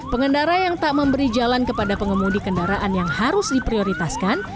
pengendara yang tak memberi jalan kepada pengemudi kendaraan yang harus diprioritaskan